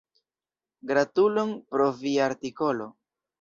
Gratulon pro via artikolo!